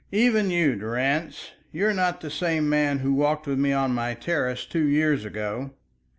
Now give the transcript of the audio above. "Even you, Durrance, you are not the same man who walked with me on my terrace two years ago."